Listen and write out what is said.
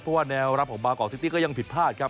เพราะว่าแนวรับของมากอกซิตี้ก็ยังผิดพลาดครับ